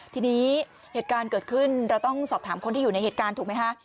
ทีนี้เหตุการณ์เกิดขึ้นเราต้องสอบถามคนที่อยู่ในเหตุการณ์ถูกไหมคะ